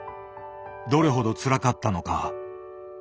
どれほどつらかったのか。